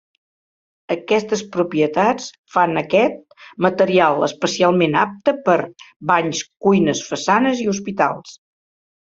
Aquestes propietats fan aquest material especialment apte per a banys, cuines, façanes i hospitals.